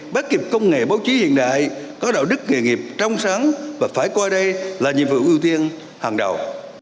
bác kịp công nghệ báo chí hiện đại có đạo đức nghề nghiệp trong sáng và phải coi đây là nhiệm vụ ưu tiên hàng đầu